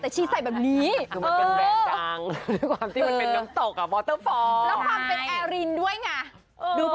ชุดนี้คุณผู้ชม